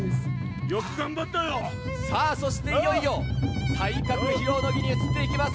さあ、そしていよいよ、体格披露の儀に移っていきます。